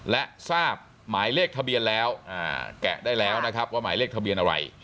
และทราบหมายเลขทะเบียนแล้วแกะได้แล้วนะครับว่าหมายเลขทะเบียนอะไร